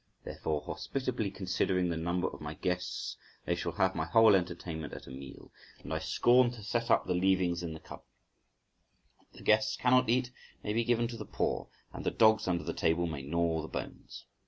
Therefore, hospitably considering the number of my guests, they shall have my whole entertainment at a meal, and I scorn to set up the leavings in the cupboard. What the guests cannot eat may be given to the poor, and the dogs under the table may gnaw the bones .